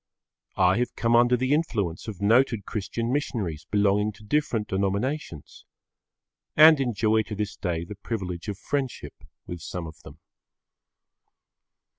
I have come under the influence of noted Christian missionaries belonging to different denominations. And enjoy to this day the privilege of friendship with some of them.